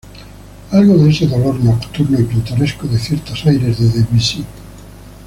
Algo de ese dolor nocturno y pintoresco de ciertos aires de Debussy.